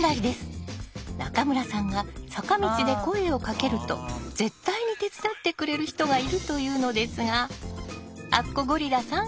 中村さんが坂道で声をかけると絶対に手伝ってくれる人がいると言うのですがあっこゴリラさん